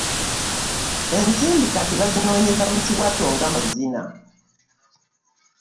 Ensimbi kati bazinoonyeza mu kiwato nga mazina.